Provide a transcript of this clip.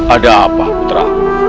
ada apa putra